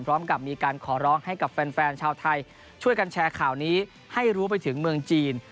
พร้อมกับมีการขอร้องให้กับแฟนชาวไทยช่วยกันแชร์ข่าวนี้ให้รู้ไปถึงเมืองจีน